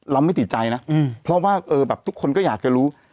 เราไม่ติดใจนะเพราะว่าแบบทุกคนก็อยากจะรู้